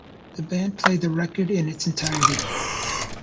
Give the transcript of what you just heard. The band played the record in its entirety.